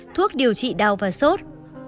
thuốc điều trị đau và sốt